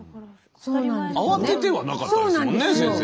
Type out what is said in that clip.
慌ててはなかったですもんね先生。